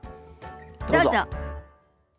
どうぞ。